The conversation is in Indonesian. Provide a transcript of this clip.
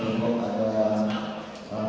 pertama adalah yang itu jalan tanimau